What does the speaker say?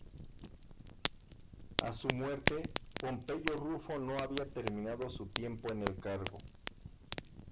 A su muerte, Pompeyo Rufo no había terminado su tiempo en el cargo.